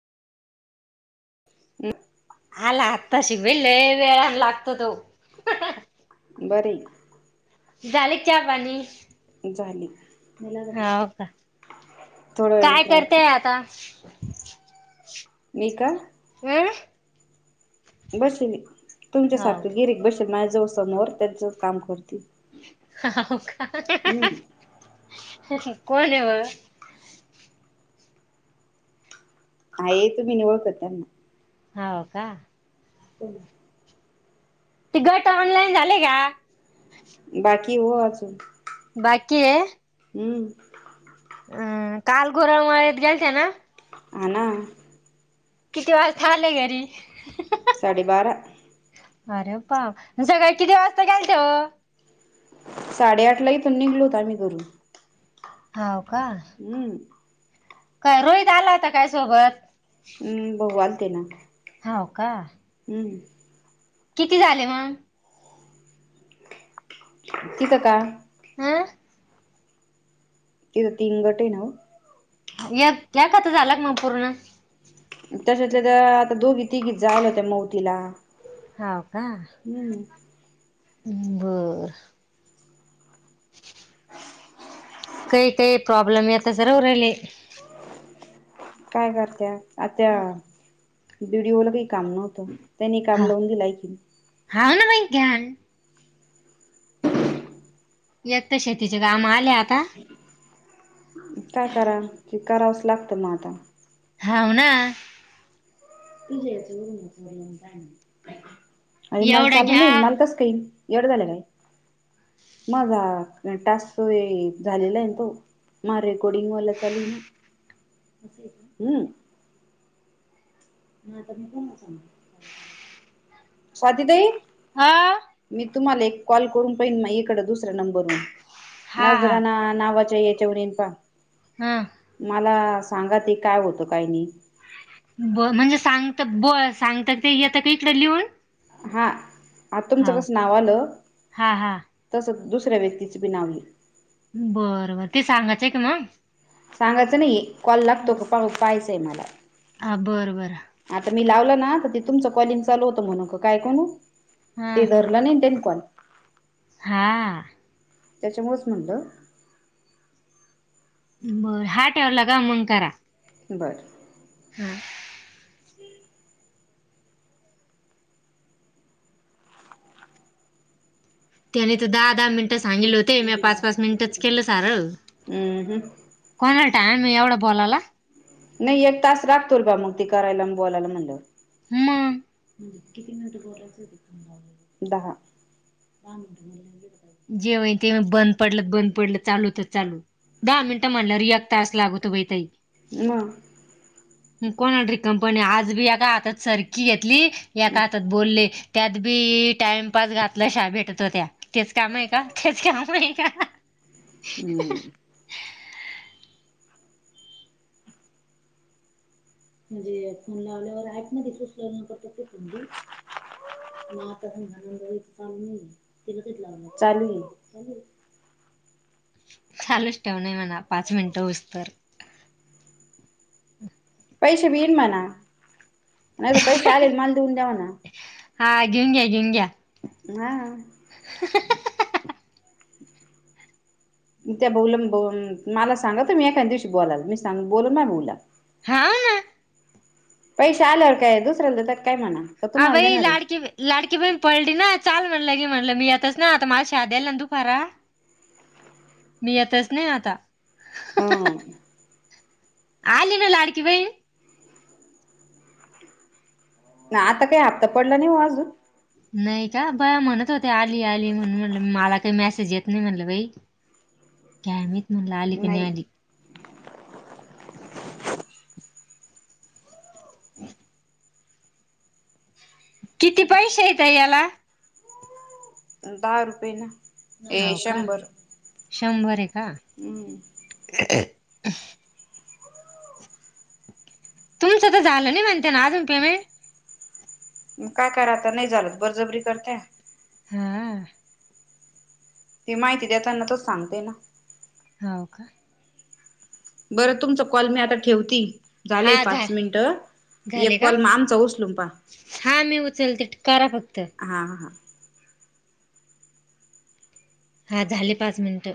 हम्म. आला आत्ता शि बाई लई वेळान लागतो. तो बरीय. झाले का? चाहा पाणी. झाले हाव का? थोड्या वेळाने काय ट्राय कर करतेय आता? मी का? ह. बसेल तुमच्या हाव सारखं गिरीक बसेन माझ्याजवळ समोर त्यांचं काम करतील. हो का? हम्म कोणेव. हा ये तुम्ही नि ओळखत त्यांना. हाव का? [inaudible] ते गट ऑनलाईन झाले का? बाकी हो आजून. बाकीये. अम्म. हम्म काल घोरळ मळेत ग्याल त्या ना. हना. किती वेळात आले घरी. साडे बारा अरे पा सगळी किती वाजता घ्यायच वो साडेआठ ला इथण निघलो होता आम्ही घरून हा हम्म काय रोहित आला होता काय सोबत? हम्म भाऊ आलते ना हो का? हम् किती झाले मग तिथं का हं तो तर तीन गोटे ना हो य एखादा तर झाला मग पूर्ण तसेतर आता दोघी तिघी जालं होत्या हाऊ तिला हम्म हम् बरं [inaudible] काही काही प्रॉब्लेम आहेता जराव राहिले काय करत्या आत्या विडिओला बाई काम नवत त्यांनी काम लावून दिलं ि ध््यान एक तर शेतीचे काम आले आता काय करा क करावंसं लागतं मग आता हव ना अरे मला एवढं चालू घ्या नाही मला तस काईल एढ झालं काय मझा तास झालेला आहे ना तो म रेकॉर्डिंगवाला चालू आहे ना हम् नाटम प स स्वातीताई हा तुमला कॉल करून दु्या हा हा नंबरवा च्या हा मला सांगा ते काय होतं काय नाही ब म्हणजे सांगत ब सांगता तेता कही इकडे लिहून हा आा तुमचं हाव कस नाव आलं हा हा तस दुसऱ्या व्यक्तीची बी नाव लिह बरं बर ते सांगायचं आहे क म सांगायचं नाही कॉल लागतो क पा पाहायचंय मला हा बरं बर आता मी लावलं ना तर तुमच कॉलिंग चालू होत म्ह काय कोणू हा ते धरलं नाही कोण हा त्याच्यामुच म्हणलं बर हा ठेवला का मंग करा बरं हम त्यानी तर दहा दहा मिनट सांग होते म पाच पाच मिनिट केलं सार हम् को टाईम आहे एवढा बोलायला नाही एक तास राखतो र बा मग ती करायला बोलायला म्हणलं [unintelligible] मग दहा जेवण ते बंद पडलं बंद पडलं चालू तर चालू दहा मिनिटं म्हणलं रियाक तास लागतो बाई ताई म [unintelligible] [inaudible] कोण आरी कंपनी आज बी एका हातात सरखी घेतली एका हातात बोलले [inaudible] त्यात बी टाइमपास घातलं शा भेटतो त्या तेच काम आहे का तेच काम आहे का [unintelligible] [inaudible] हम्म [unintelligible] [inaudible] म्हणजे हेफोन लावल्यावर ऍप मध्ये सुचल न करत तेमी [unintelligible] [inaudible] म [unintelligible] [inaudible] [inaudible] आता सजानंदच चाल नाही तिला क लाव चालू चालू [unintelligible] [inaudible] चालूच ठेवणे म्हणा पाच मिनटं होऊस तर पैसे बि येईन म्हणा नाही तरर पैसे आले माल देऊन दवाना हा घेऊन घ्या घेऊन घ्या हा [unintelligible] त्या ब मला सांगा तु मी एका दिवशी बोला मी सां बोल म बोला हा [inaudible] [unintelligible] पैसे आल्यावर काय दुसऱ्यांद [inaudible] [unintelligible] ह भई लाडकी लाडकी बण पडली ना चाल [unintelligible] [inaudible] म्हणलं की म्हणलं मी आतच ना आता माझ शाध्याला ना दु फारा [unintelligible] मी येतच नाही आता हं. [inaudible] आलीन लाडकी बाई. ना आता काही हापता पडला नाही ओ अजून नाही का बया म्हणत होते आली आली म्हणून म्हट मला काही मेसेज येत नाही म्हटलं बाई काय माहित म्हणला आली काय नाही आली. किती पैसे येत याला दहा रुपये ना ते हाव का? शंभर शंभर हे का हम्म. तुमचं तर झालं नाही म्हणत ना अजून पेमेंट काय करा आता नाही झाल बरजबरी करते. हं. ती माहिती देताना तो सांगते ना होव का? बरं तुमचा कॉल मी आता ठेवती. झालंय हा झा पाच मिनिट झाले एक का? कॉल म आमचा उचलून पहा. हा मी उचलते करा फक्त. हा हा. हा. झाले पाच मिनटं